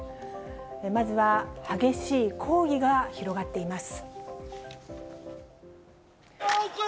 まずは、激しい抗議が広がっています。